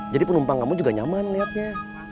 jadi penumpang kamu juga nyaman liatnya